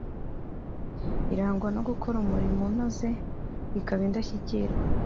irangwa no gukora umurimo unoze ikaba n’indashyikirwa